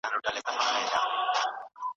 لوستې مور ماشوم ته متوازن خواړه ورکوي.